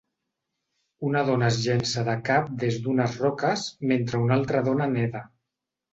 Una dona es llença de cap des d'unes roques mentre una altra dona neda.